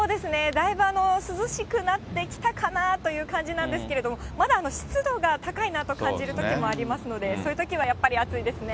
だいぶ涼しくなってきたかなという感じなんですけど、まだ湿度が高いなと感じるときもありますので、そういうときはやっぱり暑いですね。